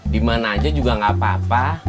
di mana aja juga gak apa apa